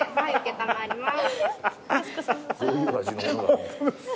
承ります。